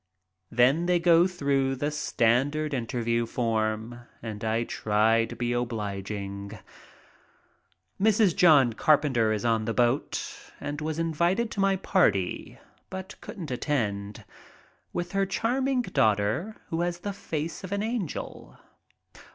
Then they go through the standard interview form and I try to be obliging. Mrs. John Carpenter is on the boat — was also invited to my party, but couldn't attend — with her charming daughter, who has the face of an angel.